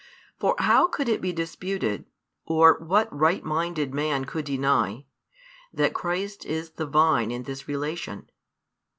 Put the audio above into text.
For how could it be disputed, or what right minded man could deny, that Christ is the Vine in this relation?